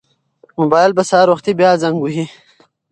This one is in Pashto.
موبایل به سهار وختي بیا زنګ وهي.